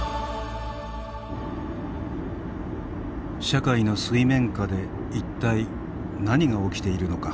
社会の水面下で一体何が起きているのか。